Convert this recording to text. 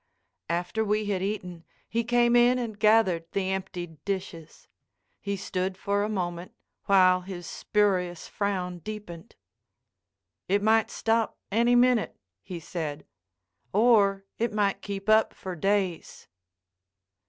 After we had eaten, he came in and gathered the emptied dishes. He stood for a moment, while his spurious frown deepened. "It might stop any minute," he said, "or it might keep up for days."